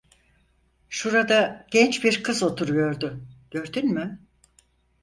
Şurada genç bir kız oturuyordu, gördün mü?